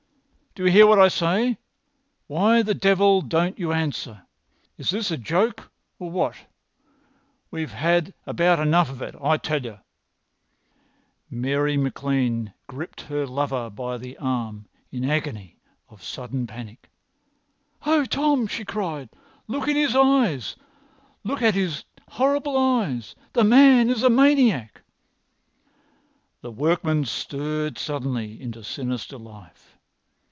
"Do you hear what I say? Why the devil don't you answer? Is this a joke or what? We've had about enough of it, I tell you." Mary MacLean had gripped her lover by the arm in agony of sudden panic. "Oh, Tom!" she cried. "Look at his eyes—look at his horrible eyes! The man is a maniac." The workman stirred suddenly into sinister life.